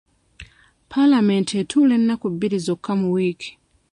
Palamenti etuula ennaku bbiri zokka mu wiiki.